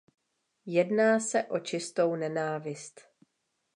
Jedná se o čistou nenávist.